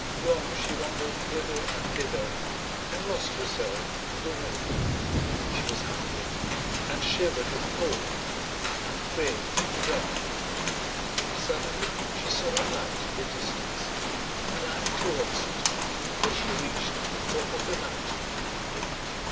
Long she wandered hither and thither, and lost herself in the wood. She was hungry, and shivered with cold, and prayed to die. Suddenly she saw a light in the distance, and climbed towards it, till she reached the top of the mountain.